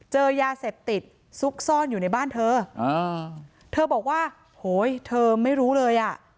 เจอยาเสพติดซุกซ่อนอยู่ในบ้านเธออ่าเธอเธอบอกว่าโหยเธอไม่รู้เลยอ่ะ